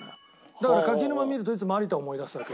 だから柿沼見るといつも有田を思い出すわけ。